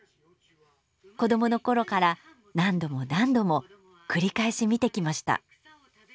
子どもの頃から何度も何度も繰り返し見てきました。